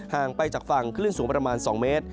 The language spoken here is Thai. ห่างไปจากฝั่งคลื่นสูงประมาณ๒เมตร